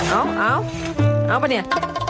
เอาเอิ๊เอาปะเนี่ย